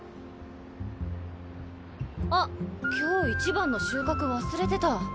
あっ今日いちばんの収穫忘れてた。